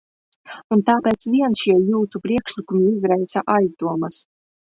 Un tāpēc vien šie jūsu priekšlikumi izraisa aizdomas.